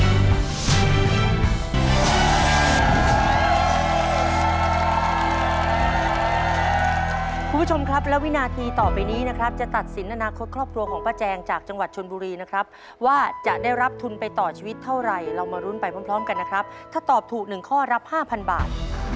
คุณผู้ชมครับและวินาทีต่อไปนี้นะครับจะตัดสินอนาคตครอบครัวของป้าแจงจากจังหวัดชนบุรีนะครับว่าจะได้รับทุนไปต่อชีวิตเท่าไหร่เรามารุ้นไปพร้อมกันนะครับถ้าตอบถูก๑ข้อรับ๕๐๐บาท